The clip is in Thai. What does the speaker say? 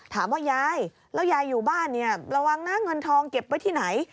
ถามว่ายายแล้วยายอยู่บ้านระวังนะเงินทองเก็บไว้ที่ไหน